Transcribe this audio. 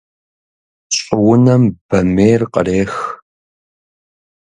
Щӏыунэм бамейр кърех.